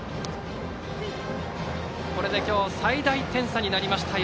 これで今日最大点差になりました